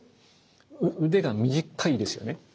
腕が短いですよね？